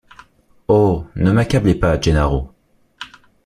Oh! ne m’accablez pas, Gennaro.